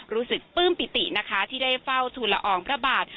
ปลื้มปิตินะคะที่ได้เฝ้าทุนละอองพระบาท